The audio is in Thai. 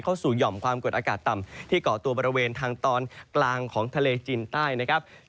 หย่อมความกดอากาศต่ำที่เกาะตัวบริเวณทางตอนกลางของทะเลจีนใต้นะครับ